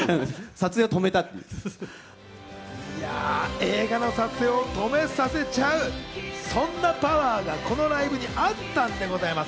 映画の撮影を止めさせちゃう、そんなパワーがこのライブにあったんでございます。